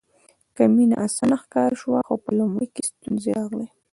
که مینه اسانه ښکاره شوه خو په لومړي کې ستونزې راغلې.